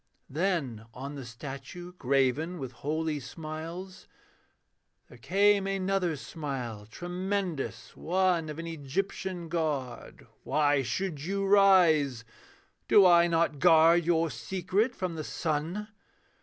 Then on the statue, graven with holy smiles, There came another smile tremendous one Of an Egyptian god. 'Why should you rise? 'Do I not guard your secret from the sun?